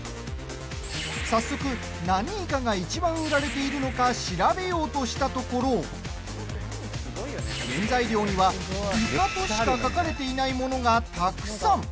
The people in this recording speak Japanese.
早速、何イカがいちばん売られているのか調べようとしたところ原材料には、イカとしか書かれていないものがたくさん。